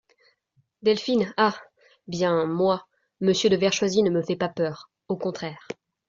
Delphine Ah ! bien, moi, Monsieur de Vertchoisi ne me fait pas peur, au contraire …